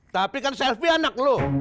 tapi kan selfie anak loh